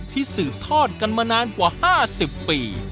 สืบทอดกันมานานกว่า๕๐ปี